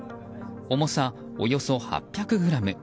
重さおよそ８００ｇ。